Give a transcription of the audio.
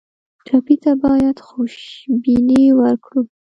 ټپي ته باید خوشبیني ورکړو.